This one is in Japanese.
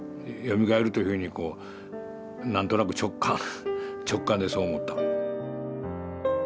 よみがえるというふうにこう何となく直感直感でそう思った。